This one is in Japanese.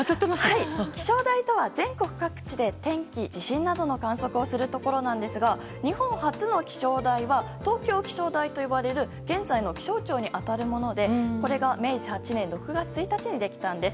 気象台とは、全国各地で天気、地震などの観測をするところなんですが日本初の気象台は東京気象台といわれる現在の気象庁に当たるところでこれが明治８年６月１日にできたんです。